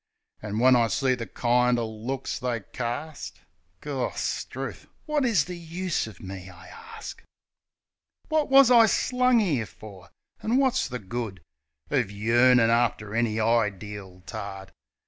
An' when I see the kind er looks they carst ... Gorstrooth! Wot is the use o' me, I arst? Wot wus I slung 'ere for? An' wot's the good Of yearnin' after any ideel tart?